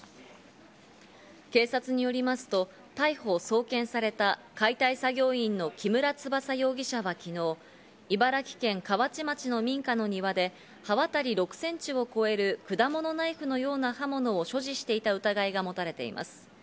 警察によりますと、逮捕送検された解体作業員の木村翼容疑者は昨日、茨城県河内町の民家の庭で刃渡り６センチを超える果物ナイフのような刃物を所持していた疑いがもたれています。